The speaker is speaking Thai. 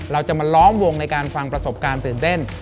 เราจะมาล้อมวงในการฟังประสบการณ์ตื่นเต้น